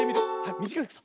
みじかいくさ。